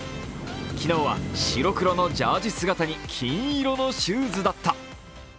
昨日は白黒のジャージ姿に金色のシューズだった。